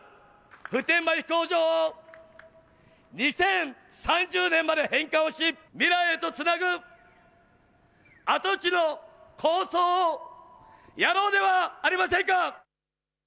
普天間飛行場を２０３０年まで返還をし未来へとつなぐ跡地の構想をやろうではありませんか。